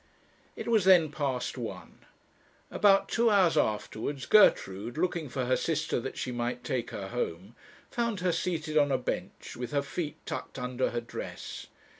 It was then past one. About two hours afterwards, Gertrude, looking for her sister that she might take her home, found her seated on a bench, with her feet tucked under her dress.